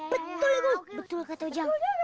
betul itu betul kata ujang